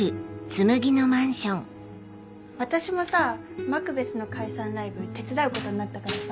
私もさマクベスの解散ライブ手伝うことになったからさ。